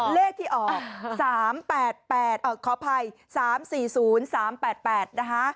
เลขที่ออก๓๘๘ขออภัย๓๔๐๓๘๘นะคะ